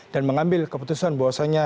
dan mengambil keputusan bahwasanya